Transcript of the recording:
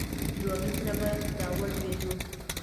دوه متره به را ولوېدو.